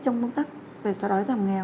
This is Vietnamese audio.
trong công tác về so đói giảm nghèo